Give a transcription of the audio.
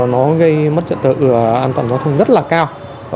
nó gây mất trật tự an toàn giao thông rất là cao